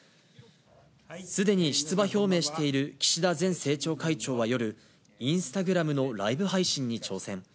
すでに出馬表明している岸田前政調会長は夜、インスタグラムのライブ配信に挑戦。